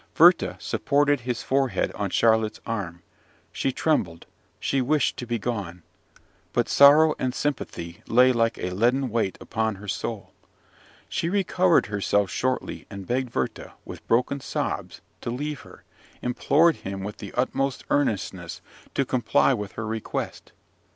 Werther supported his forehead on Charlotte's arm: she trembled, she wished to be gone; but sorrow and sympathy lay like a leaden weight upon her soul. She recovered herself shortly, and begged Werther, with broken sobs, to leave her, implored him with the utmost earnestness to comply with her request.